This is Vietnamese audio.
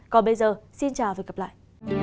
còn bây giờ xin chào và hẹn gặp lại